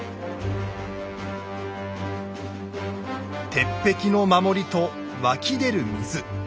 鉄壁の守りと湧き出る水。